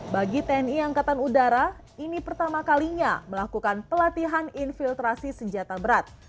bagi tni angkatan udara ini pertama kalinya melakukan pelatihan infiltrasi senjata berat